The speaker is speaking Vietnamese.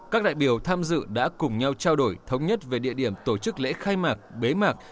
các đại biểu tham dự đã cùng nhau trao đổi thống nhất về địa điểm tổ chức lễ khai mạc bế mạc